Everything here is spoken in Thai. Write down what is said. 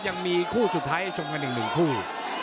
ยังมีคู่สุดท้ายให้ชมกันอีกหนึ่งคู่